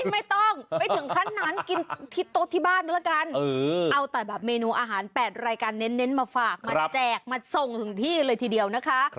ไม่ต้องไม่ถึงขั้นนั้นกินที่โต๊ะที่บ้านก็แล้วกันเอาแต่แบบเมนูอาหาร๘รายการเน้นมาฝากมาแจกมาส่งถึงที่เลยทีเดียวนะคะ